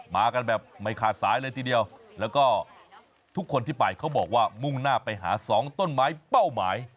มากันแบบไม่ขาดสายเลยทีเดียวแล้วก็ทุกคนที่ไปเขาบอกว่ามุ่งหน้าไปหาสองต้นไม้เป้าหมาย